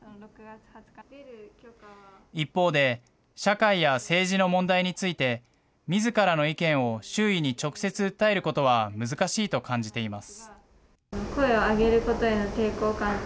一方で、社会や政治の問題について、みずからの意見を周囲に直接訴えることは難しいと感じています。